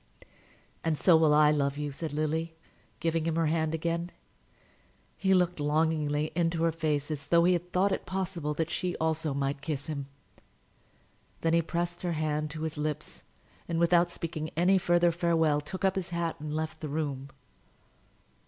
"And so will I love you," said Lily, giving him her hand again. He looked longingly into her face as though he had thought it possible that she also might kiss him: then he pressed her hand to his lips, and without speaking any further farewell, took up his hat and left the room.